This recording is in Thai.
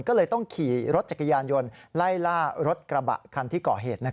ก็เลยต้องขี่รถจักรยานยนต์ไล่ล่ารถกระบะคันที่ก่อเหตุ